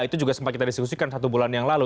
itu juga sempat kita diskusikan satu bulan yang lalu